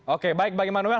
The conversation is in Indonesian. oke baik bang immanuel